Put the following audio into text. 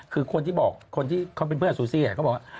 คือคนที่บอกคนที่เขาเป็นเพื่อนซูซี่เขาบอกว่า